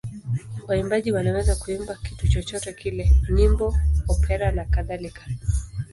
Waimbaji wanaweza kuimba kitu chochote kile: nyimbo, opera nakadhalika.